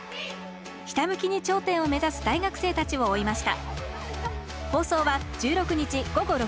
ひたむきに頂点を目指す大学生たちを追いました。